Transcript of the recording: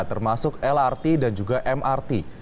termasuk lrt dan juga mrt